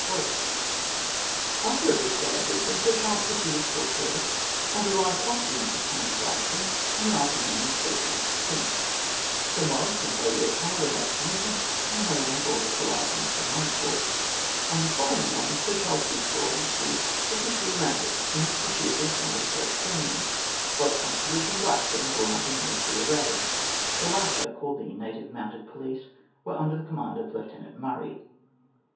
After a brief stay at Brisbane, Sir Charles proceeded to Port Curtis and arrived off the infant town of Gladstone on the afternoon of April 16. Sir Maurice and Lady O'Connell went out to meet him, and remained on board the Calliope until nightfall. On the following morning Sir Charles Fitzroy and suite officially landed, amidst the cheers of the assembled Gladstonians, white constables and black being drawn up in military array. The latter, called the Native Mounted Police, were under the command of Lieutenant Murray.